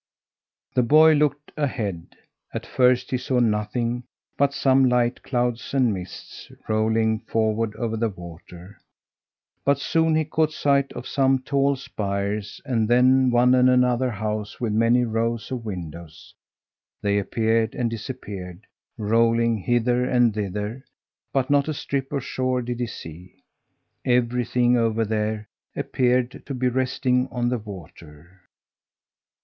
The boy looked ahead. At first he saw nothing but some light clouds and mists rolling forward over the water, but soon he caught sight of some tall spires, and then one and another house with many rows of windows. They appeared and disappeared rolling hither and thither but not a strip of shore did he see! Everything over there appeared to be resting on the water.